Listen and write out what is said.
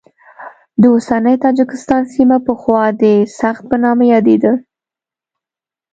د اوسني تاجکستان سیمه پخوا د سغد په نامه یادېده.